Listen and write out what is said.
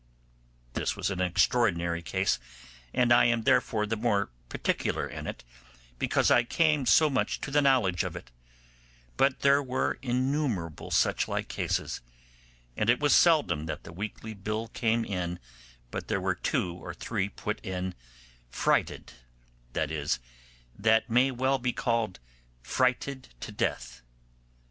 This was an extraordinary case, and I am therefore the more particular in it, because I came so much to the knowledge of it; but there were innumerable such like cases, and it was seldom that the weekly bill came in but there were two or three put in, 'frighted'; that is, that may well be called frighted to death.